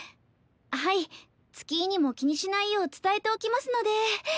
はい月居にも気にしないよう伝えておきますので。